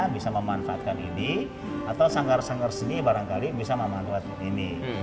bisa memanfaatkan ini atau sanggar sanggar seni barangkali bisa memanfaatkan ini